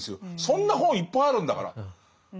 そんな本いっぱいあるんだから。